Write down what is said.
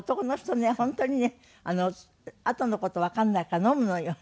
本当にねあとの事わかんないから飲むのよ。